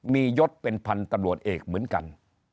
มียศเป็นพันธุ์ตำรวจเอกเหมือนกัน